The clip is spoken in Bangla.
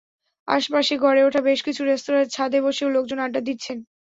আশপাশে গড়ে ওঠা বেশ কিছু রেস্তোরাঁর ছাদে বসেও লোকজন আড্ডা দিচ্ছেন।